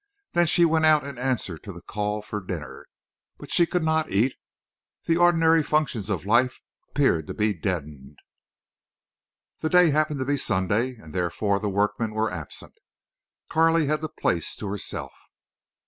Then she went out in answer to the call for dinner. But she could not eat. The ordinary functions of life appeared to be deadened. The day happened to be Sunday, and therefore the workmen were absent. Carley had the place to herself.